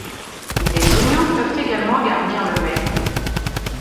Des oignons peuvent également garnir le mets.